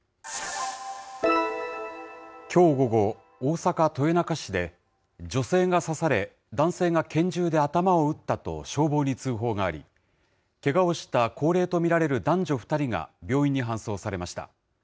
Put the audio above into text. きょう午後、大阪・豊中市で女性が刺され、男性が拳銃で頭を撃ったと消防に通報があり、けがをした高齢と見られる男女２人が病院に搬送されました。